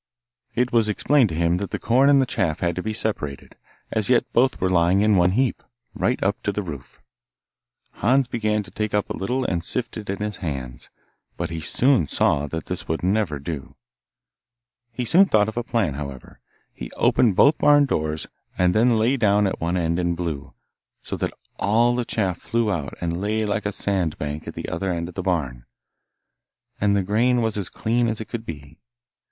It was explained to him that the corn and the chaff had to be separated; as yet both were lying in one heap, right up to the roof. Hans began to take up a little and sift it in his hands, but he soon saw that this would never do. He soon thought of a plan, however; he opened both barn doors, and then lay down at one end and blew, so that all the chaff flew out and lay like a sand bank at the other end of the barn, and the grain was as clean as it could be.